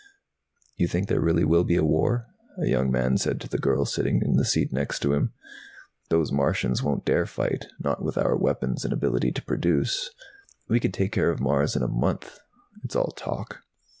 "You think there really will be war?" A young man said to the girl sitting in the seat next to him. "Those Martians won't dare fight, not with our weapons and ability to produce. We could take care of Mars in a month. It's all talk."